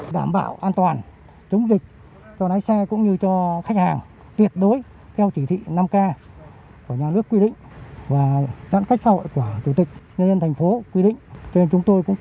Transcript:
đảm bảo an toàn chống dịch cho lái xe cũng như cho khách hàng tuyệt đối theo chỉ thị năm k của nhà nước quy định